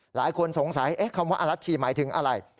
หลายคนสงสัยคำว่าอรัชชีหมายถึงอะไร